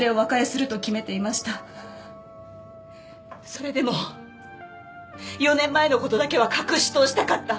それでも４年前の事だけは隠し通したかった。